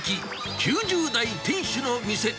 ９０代店主の店。